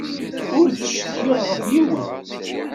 Ur ttcetkiɣ ɣef yiwen.